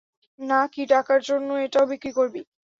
না-কি টাকার জন্য এটাও বিক্রি করবি?